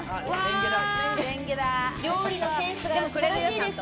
料理のセンスが素晴らしいです。